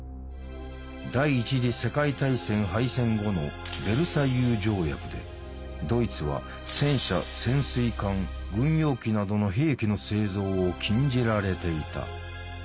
第一次世界大戦敗戦後のヴェルサイユ条約でドイツは戦車潜水艦軍用機などの兵器の製造を禁じられていた。